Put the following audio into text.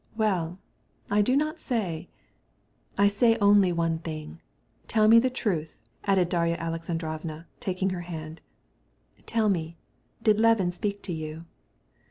"Yes, I don't say so either.... Only one thing. Tell me the truth," said Darya Alexandrovna, taking her by the hand: "tell me, did Levin speak to you?..."